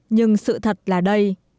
nhưng sự thật là đây